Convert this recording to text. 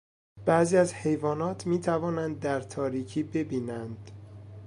بعضی از حیوانات میتوانند در تاریکی ببینند.